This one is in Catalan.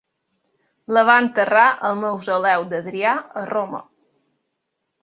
La va enterrar al Mausoleu d'Adrià a Roma.